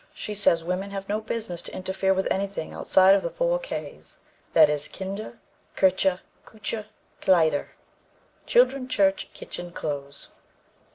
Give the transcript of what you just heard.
She says women have no business to interfere with anything outside of the four K's, that is, Kinder, Kirche, Küche, Kleider children, church, kitchen, clothes."